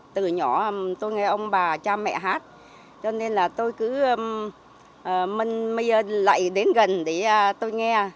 từ nhỏ tôi nghe ông bà cha mẹ hát cho nên là tôi cứ mân mây lại đến gần để tôi nghe